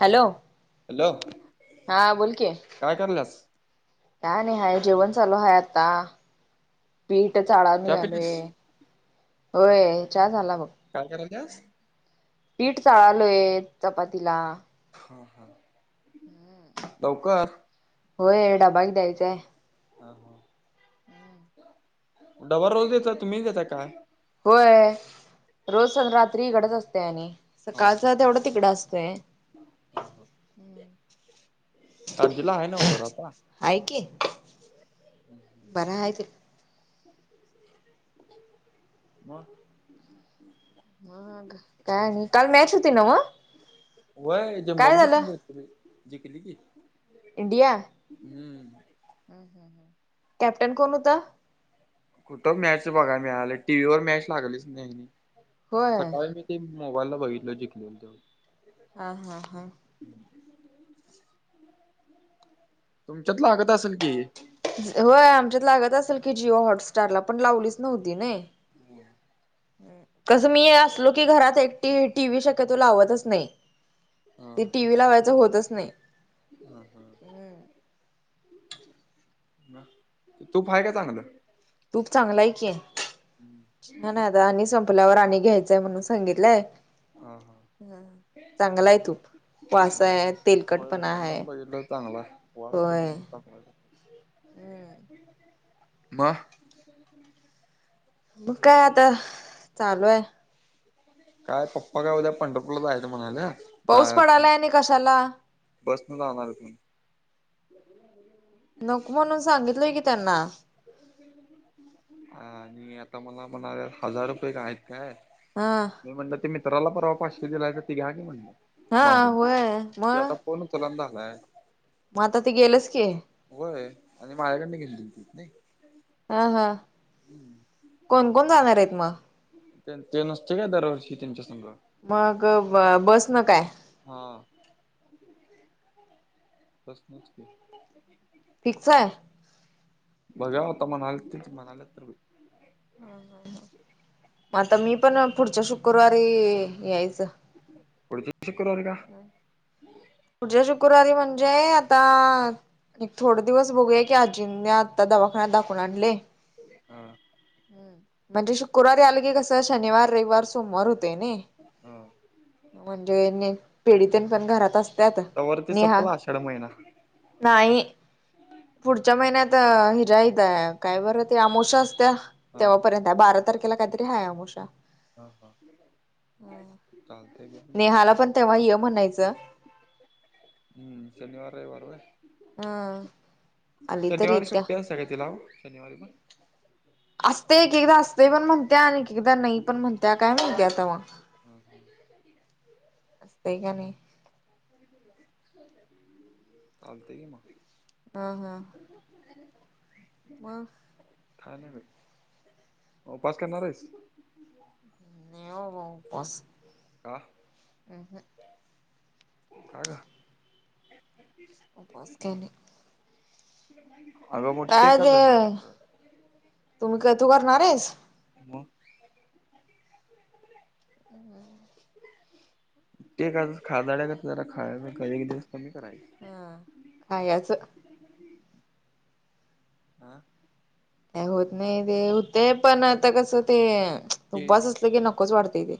Hello! Hello! हा बोल की, काय करायल्यास काय नाही हाय जेवण चालू हाय आता. पीठ चाळाला चहा पिलीस घ्यालोय. व्हय चहा झाला बघ. काय कराल्यास? पीठ चाळालोय चपातीला. हा हा लवकर. व्हय डबा एक द्यायचां हाय. हा, हा डबा रोज देता तुम्हीच देताय काय? व्हय रोज स रात्री इकडज असंतय आणि- हा सकाळच हा तेवढं तिकडं आसतय हा हा, हम्म. आजीला हाय नव्ह बरं आता? हाय की बरा हाय ती. मग मग काय नाही. काल मॅच होती नव् काय झालं? जिकली की. इंडिया, हम्म कॅप्टन कोण हुतं? कुठं मॅच बघाय मिळाली, टी व्ही वर मॅच लागलीच नाही आणि होय सकाळी मी, ती मोबायला बघितलेली जिंकलेल तेवढ. हां, हां, हां. तुमच्यांत लागतं असेल की? व्हयं आमच्यांत लागतं असेल की जिओ हॉटस्टांर लां पणं लावलीच नव्हती नाहीं. हम्मं कसं मी आसलो की घरांत एकटी टी. व्ही शक्यतो लावतचं नाहीं ती टी. व्ही लावायचं होतंच नाहीं. हां, हां मं तूंप हांय कायं चांगलं? तूंप चांगल हायं की. छांन आहे आंता आणि संपल्यांवर आणि घ्यायचंय म्हणूंन सांगितलंय. हा हा हं चांगल आहे तूंप. व्हयं व्हयं आम्हीं पणं बघितलं चांगल हांय वांस होय. तेन चांगल मं मं कायं आंता चालूं आहे. कायं पप्पां कायं उद्यां पंढपूरला जायचं म्हणांल्या पाऊस पडांलाय आणि कशांला? बसंन जाणारं आहेतं म्हंण. नको म्हणूंन सांगितलोय की त्यांना. हां आणि आंता मलां म्हणाल्यांत हाजांर रुपये कायं हांईत कायं? हां. मी म्हणलं ते मित्रांला पर्वा पाशे दिलांयसा ते घ्यां की म्हणलं हा मागूंन होय त्यो आंता फोन उचलनां झालायं. मं आंता ते गेलंच की. व्हयं आणि माझ्याकडं घेऊन दिलतीत नाहीं. हां हां कोणं कोणं जाणारं आहेतं मं? ते त्यो नसतोय कायं दरवर्षी त्यांच्यासंग मंग बसं नं कायं? हां... प्रसनचं मी.. ठीकचं आहे. बघां होतां म्हणांले ते म्हणांलेत तरं आंता मी पणं पुढच्यां शुक्रवारी यायचं.. पुढच्यां शुक्रवारी कां पुढच्यां शुक्रवारी म्हणजे आंता. एक थोडे दिवसं बघूंया की आजींनी आंता दवाखान्यांत दाखवूंन आणले. हम्मं म्हणजे शुक्रवारी आलं की कसं शनिवार, रविवार, सोमवार, होतंय नाहीं. हम्मं. म्हणजे पिढितंन पणं घरांत असतांत तवर ते नेहां. सपला आषाढ महिना नाहींय. पुढच्यां महिन्यांत हिजा हथ कायं बरं ते अमावस्या असत्यां हा तेव्हांपर्यंत. बारा तारखेला कांहींतरी आहे अमावास्या हा हा चालतय बघ नेहांला पणं तेंव्हां ये म्हणांयचं... हम्मं शनिवार रविवारी अं आहे आली तर शनिवारी इत्या. सुट्टी असते कायं तीलां शनिवारी पणं असते के कां असं. ते पणं म्हणत्यां आणि एकदाचं नाहीं पणं म्हणत्यां कायं म्हणतं आंता मगं. हा हा असतय का नाही चालतय की मग हा [inaudible] म उपवास करणार आहेस नई बाबा उपवास का ह हं का ग उपवास केलय अगं मोठी काय एकदास आहे ते ना तुम्ही काय तू करणार आहेस मग हू ते खादाड्यागत जरा खायचं एक दिवस कमी करायच हा खायाचं हा काय होत नाही ते हुतय पण आता कसं ते केळी उपवास असलं की नकोच वाटतंय ते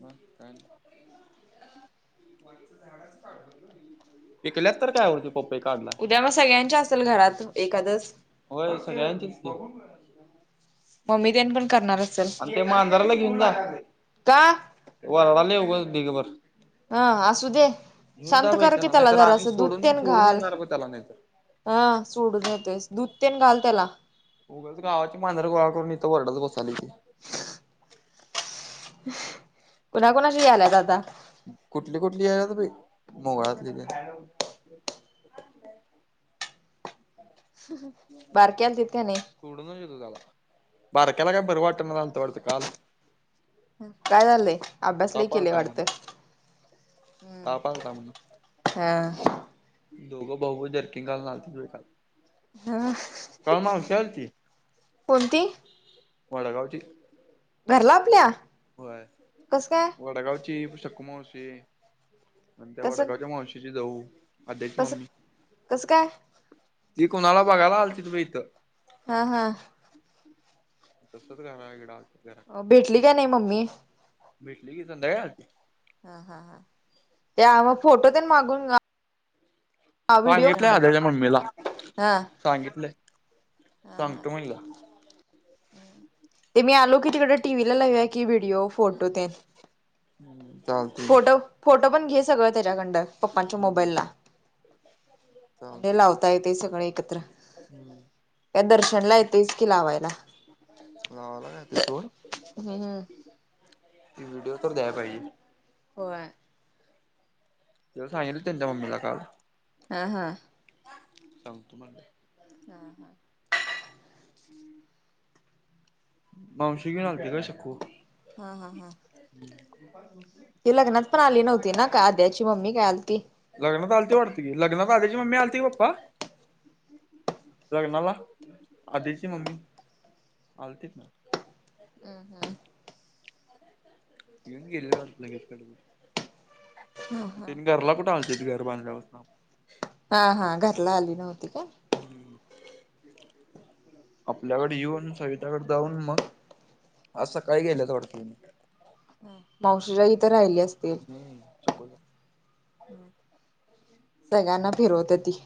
मग काय आणि पिकल्यात तर काय ओ ती पपई काढलाय उद्या मग सगळ्यांची असेल घरात एकादस हो सगळ्यांनचीच की बसलाय मम्मी तेन पण करणारच आणि ते मांजराला घेऊन जा का वरडायलय उगचंच ढीग भर हं असू दे शांत बाई कर की त्याला नाहीतर आम्ही जरासं दूध सोडून तेन सोडून घाल येणार बघ त्याला नाहीतर हा सोडून येतोयस दूध तेन घाल त्याला उघच गावाची मांजर गोळा करून इथं वरडत बसालय कुणा कुणाची याल्यात आता कुठली कुठली याल्यात बाई मोगलातली तेन काय म्हणताय हा मेहनत बारकी आलतीत काय नाही सोडूनच येतो त्याला बारक्याला काय बरं वाटना झालत वाटतं काल हू काय झालंय अभ्यास लई ताप केले आलता म्हण वाटत हू ताप आलता म्हण हा दोघं भाऊ भाऊ जरकिंग घालून आलतीत बाई काल हा मावशी आलती कोणती वडगावची घरला आपल्या होय कसं काय वडगावची शकुमावशी आणि त्या कसं वडागावच्या मावशीची जाऊ आद्याची कसं मम्मी कसं काय ती कोणाला बघायला आलतीत बई इथं हा हा तसंच घरा इकडं आलतीत घरा अ भेटली काय नाही मम्मी भेटली की, संध्या घलती हा.. हा.. हा... त्या मग फोटो ते मागून व्हिडिओ सांगितले म्हणलं आदल्या, मम्मीला सांगितले. हा... हा.... ते, मी आलो कि तिकडे, टीव्ही ला लवया की व्हिडीओ फोटो ते [inaudible] चाल फोटो, फोटो पण घे सगळं त्याच्याकंडं पप्पांच्या हम्म मोबाईल ला म्हणजे चालतय लावता येत. सगळे एकत्र हम्म. या दर्शनला येतस की, लावायला [inaudible] [inaudible] [inaudible] हला काते सोड हम्म त व्हिडिओ तर, द्या पाहिजे हो... तेला सांगेल त्यांच्या मम्मीला काल हा... हा.... सांग तुम्हाला हा.... हा. मावशी [inaudible] न बे का शकू हा... हा... हा. ह.... ती लग्नात पण आली नव्हती. ना का आद्याची मम्मी काय आलती. लग्नत आलती वाटते की, लग्न आल्याची मम्मी आलीतीी पप्पा. लग्नाला, आधीची ममी, आलती. [inaudible] हम्... हम्.... येऊन गेले [inaudible] घरकडे घरला कुठेलत. घर बांधल्या असत. हा... हा... घरला आली नव्हती का? आपल्याकडे येऊन सविताकडे जाऊन मग [inaudible] [inaudible] [inaudible] असं काही गेलं थोडं क्लनिक मावशीच्या इथं राहिली असते. हम्.... [inaudible] चक सगळ्यांना फिरवत ती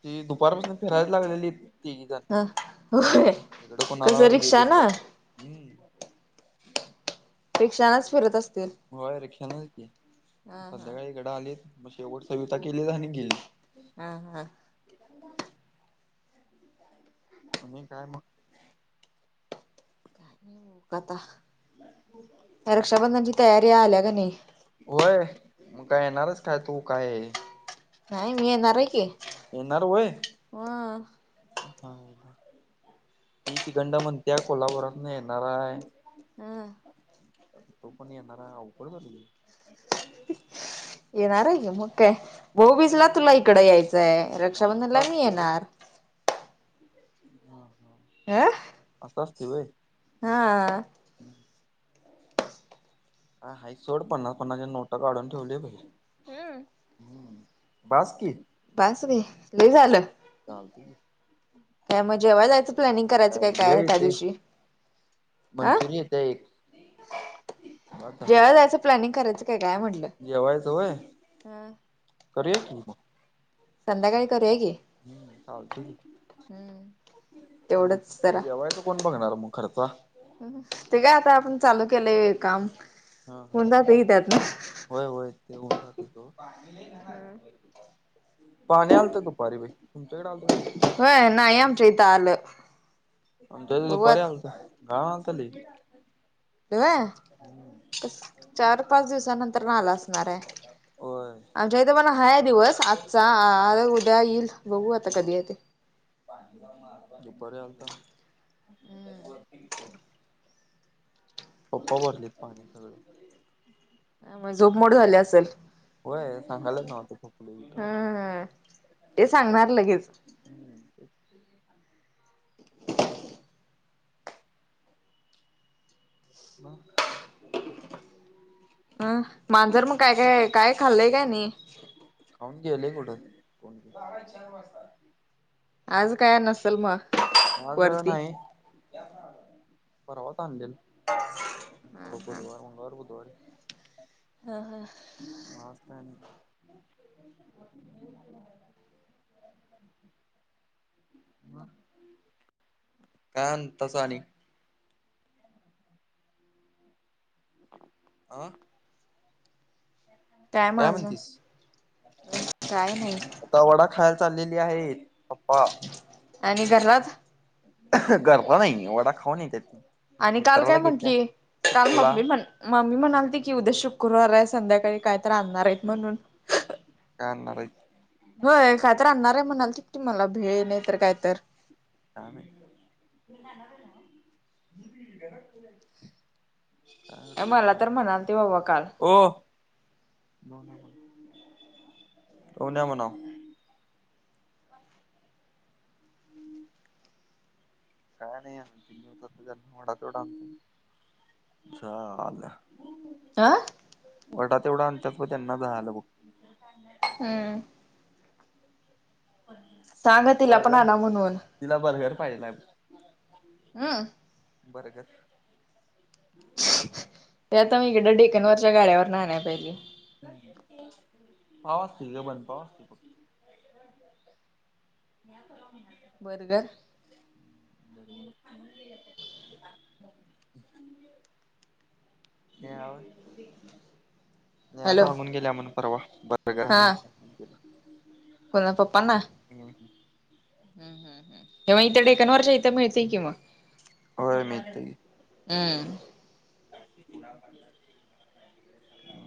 ती दुपारपासून फिरायला लागलेली. त झा ह होय इकडं कोणाला कसं रिक्षा गेलीच ना बघा. हम्म.... रिक्षांच फिरत असतील. रिक्षा नची, हा हा संध्याकाळी घड आलीत. मग शेवट सविता केलीत आणि गेलीत. हम... हम.... ह [unintelligible] कुणी काय मग. हो कता [inaudible] हो. रक्षाबंधनची तयारी आल्या का नाही. होय, मग काय येणारचं काय तू काय. नाही, मी येणार आहे. कि, येणार होय हा ती तिकडन म्हणते कोल्हापुरातून येणार हाय हम. तो पण येणारा अवघड झाली कि. येणार आहे कि मग काय भाऊबीजला तुला इकडं यायचंय आहे. आता असं असते व्हय. आह, असं असतं होय. हा. हम् ह हा सोड पन्नास पन्नासच्या नोटं काढून ठेवली भाई. हम, हम्म बास कि. बास रे लई झालं. चालतंय. काय मग जेवायला जायचं प्लॅनिंग करायचं काय ये आहे त्या येतंय दिवशी हं? मंचुरी येत्या एक. बास झालं जेवायला जायचं प्लनिंग करायचं का काय म्हटलं. जेवायचं होय ह करूया कि. संध्याकाळी करू या कि. चालतंय कि तेवढंच मग जरा जेवायचं? कोण बघणार मग खर्चा? ते का आता आपण चालू केलंय काम हा होऊन हा. जातंय त्यातनं. होय होय ते होऊन जातंय. पाणी आलतं दुपारी बी तुमच्याकडे आलेत होय नाही आमच्या इथं आलं. आमच्या इथं दुपारी बघवत आलंत का असं व्हय चार पाच दिवसा नंतर आलं असणार आहे. होय. आमच्या इथे पण हाय दिवस आजचा उद्या येईल बघू आता हा. कधी येतं. दुपारी आलता पप्पा भरतेतं पाणी सगळं. आ मंग झोप मोड झाले असेल. होय सांगालाच नव्हत कोणी हा हा ते सांगणार लगेचं. हम्म. मग काय? अं मांजर मग काय काय काय खाल्लंय काय नाही? खाऊन गेलं कुठं बाजार चार वाजता. आज काय नसतं. आज नाही परवाच आणलेलं. बुधवार, मंगळवार, बुधवारी. हा. हा [inaudible] ना ह काय तसानी? आं काय म आजून काय नाही. आता वडा खायला चाललेली आहेत पप्पा आणि घरात गरमा नाही वडा खाऊ नाही त्यात आणि काल काय म्हंटली काल सुक्कुला मम्मी म्हण मम्मी म्हणालते की उद्या शुक्रवार आहे संध्याकाळी काय तर आणणार आहेत म्हणून काय आणार ये होय काय तर आणणार आहे म्हणाल तिकती मला भेळ नाही तर काय तर काम ये का मला का तर म्हणालती बाबा काल हो कोण ये म्हणावं. काय नाही या दोन तीन दिवसात त्यांना येवढा तेवढा आणत. झालं आं वडा तेवढा अंत त्यांना झाला बघ हम्म सांगा तिला पण बर्गर आला म्हणून तिला बर्गर पाहिजेलाय हा बरगत ते आता मीकडं डेकनवरच्या गाडावर ने आण्याला पाहिजे. पावास त ग बण पावास त फक्त [unintelligible] बर्गर [unintelligible] नाही हॅलो सांगून गेल्या म्हण परवा बंद करा म्हणून. अ कोणला पापा ना हम ह हम् हम हम तेव्हा इथं टेकनवरच्या इथं मिळते कि मग होय मिळतंय. हम्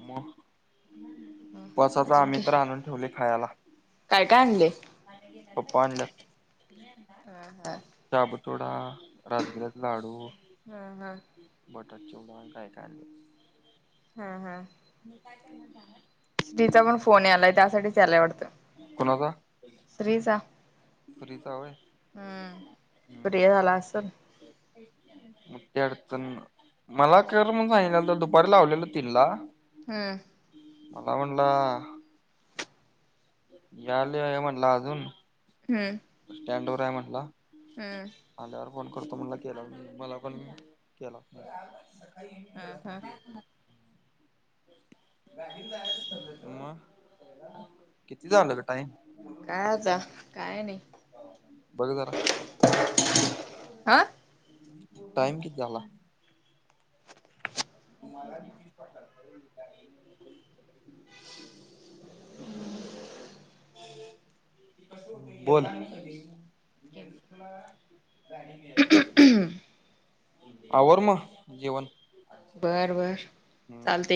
मग पाचाला अजून आम्ही काय तर आणून ठेवले खायला काय काय आणले. पापा आणलं. ह हा शाबूतोडा राजगिरात लाडू हा हा बटर चूड काय काय आणलात हा हा मी काय काय म्हणत. श्रीचा पण फोन यालाय त्यासाठी यायला वाटतं कोणाचा? श्रीचा श्रींचा होय. हम्म फ्री झाला असल. [unintelligible] मोठी अडचण. मला कर म्हणून सांगितलेलं, तर दुपारी लावलेलं तीन ला. हम्. मला म्हणला यायला वेळ आहे, म्हणला अजून. हम्म्. स्टँड वर आहे म्हंटला. हम्. आल्यावर फोन करतो म्हणला, केलाच नाही. मला पण केला. हा हा [unintelligible] हा ना. मग, किती झालं ग टाईम? काय आता? काय नाही? बघ जरा, हा टाइम किती झाला? तुम्हाला तिचीच [unintelligible] [unintelligible] ह [inaudible] हं, बोल. आवर मग, जेवण. बरं बरं, हम्म. चालतंय.